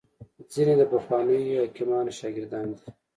ځیني د پخوانیو حکیمانو شاګردان دي